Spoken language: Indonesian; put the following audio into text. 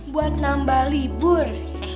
buat nambah libur